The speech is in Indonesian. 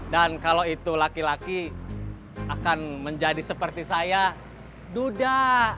dan kalau itu laki laki akan menjadi seperti saya duda